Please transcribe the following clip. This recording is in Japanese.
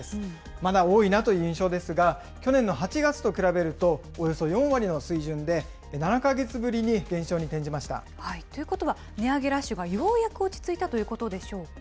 まだ多いなという印象ですが、去年の８月と比べると、およそ４割の水準で、７か月ぶりに減少に転ということは、値上げラッシュがようやく落ち着いたということでしょうか。